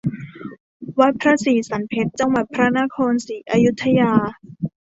วัดพระศรีสรรเพชญ์ จังหวัดพระนครศรีอยุธยา